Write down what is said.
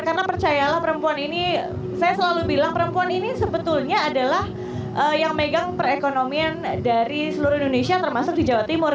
karena percayalah perempuan ini saya selalu bilang perempuan ini sebetulnya adalah yang megang perekonomian dari seluruh indonesia termasuk di jawa timur